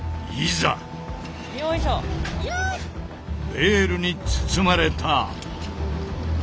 ベールに包まれた！